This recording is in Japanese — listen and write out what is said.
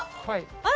あら。